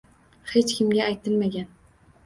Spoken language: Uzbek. Hech kimga aytilmagan